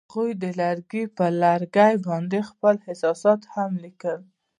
هغوی د لرګی پر لرګي باندې خپل احساسات هم لیکل.